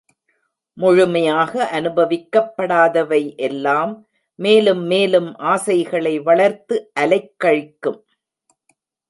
முழுமையாக அனுபவிக்கப்படாதவை எல்லாம் மேலும் மேலும் ஆசைகளை வளர்த்து அலைக்கழிக்கும்.